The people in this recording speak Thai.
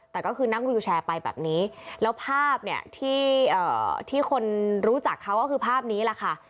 แต่ก็คือนั่งวิวแชร์ไปแบบนี้แล้วภาพเนี่ยที่คนรู้จักเขาก็คือภาพนี้แหละค่ะ